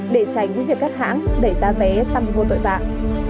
để tránh việc các hãng đẩy giá vé tăng vô tội vạng